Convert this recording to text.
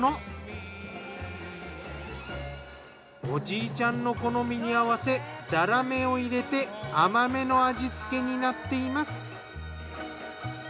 おじいちゃんの好みに合わせザラメを入れて甘めの味付けになっています。